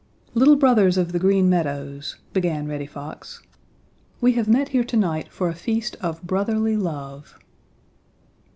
"Little brothers of the Green Meadows," began Reddy Fox, "we have met here to night for a feast of brotherly love."